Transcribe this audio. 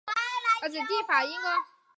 明天去新北耶诞城吗？